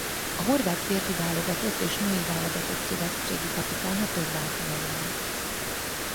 A horvát férfi válogatott és női válogatott szövetségi kapitánya több alkalommal.